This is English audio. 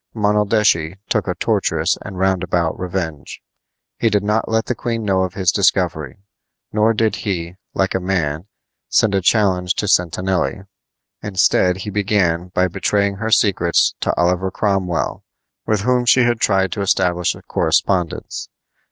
Monaldeschi took a tortuous and roundabout revenge. He did not let the queen know of his discovery; nor did he, like a man, send a challenge to Sentanelli. Instead he began by betraying her secrets to Oliver Cromwell, with whom she had tried to establish a correspondence.